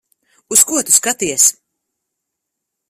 Uz ko tu skaties?